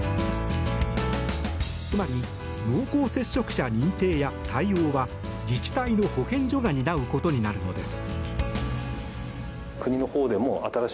つまり濃厚接触者認定や対応は自治体の保健所が担うことになるのです。